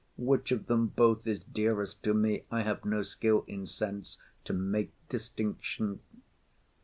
Which of them both Is dearest to me I have no skill in sense To make distinction.